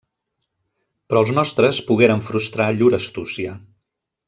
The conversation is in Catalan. Però els nostres pogueren frustrar llur astúcia.